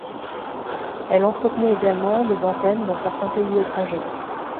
Elle entretenait également des antennes dans certains pays étrangers.